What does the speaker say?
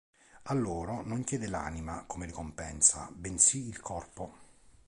A loro non chiede l'anima come ricompensa, bensì il corpo.